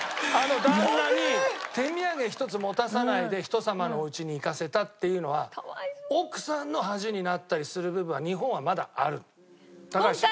旦那に手土産ひとつ持たさないで人様のお家に行かせたっていうのは奥さんの恥になったりする部分は日本はまだある。